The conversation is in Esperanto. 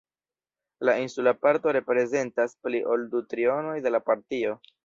La insula parto reprezentas pli ol du trionoj de la partio.